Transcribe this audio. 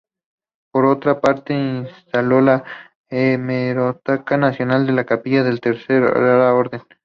Por otra parte, instaló la Hemeroteca Nacional en la capilla de la Tercera Orden.